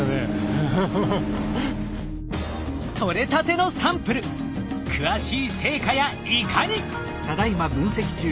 採れたてのサンプル詳しい成果やいかに！